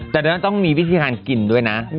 แต่ต้องมีวิทยาลัยกินด้วยนะ